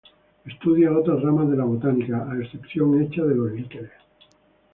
Estudia otras ramas de la botánica, excepción hecha de los líquenes.